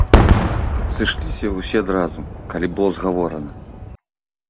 Сышліся ўсе адразу, калі было згаворана.